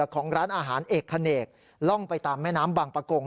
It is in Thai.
ของร้านอาหารเอกขเนกล่องไปตามแม่น้ำบางประกง